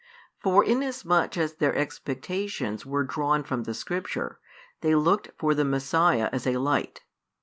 For inasmuch as their expectations were drawn from the Scripture, they looked for the Messiah as a Light.